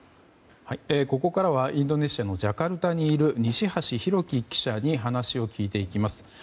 ここからはインドネシアのジャカルタにいる西橋拓輝記者に話を聞いていきます。